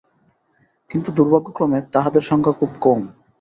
কিন্তু দুর্ভাগ্যক্রমে তাঁহাদের সংখ্যা খুব কম।